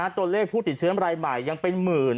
ตัวเลขผู้ติดเชื้อรายใหม่ยังเป็นหมื่น